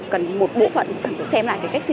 con muốn ăn kem